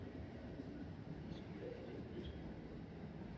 De skulle have lidt nyt